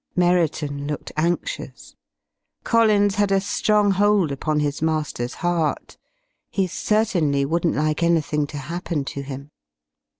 Merriton looked anxious. Collins had a strong hold upon his master's heart. He certainly wouldn't like anything to happen to him.